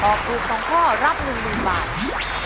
ตอบถูก๒ข้อรับ๑๐๐๐บาท